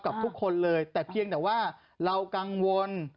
กับทุกคนเลยแต่เพียงแต่ว่าเรากังวล